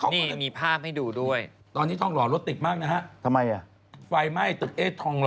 นี่มีภาพให้ดูด้วยตอนนี้ทองหล่อรถติดมากนะฮะไฟไหม้ตึกเอสทองหล่อ